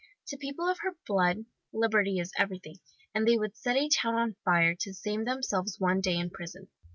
To people of her blood, liberty is everything, and they would set a town on fire to save themselves one day in prison.